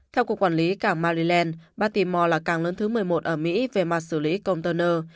theo cuộc quản lý cảng maryland baltimore là càng lớn thứ một mươi một ở mỹ về mặt xử lý container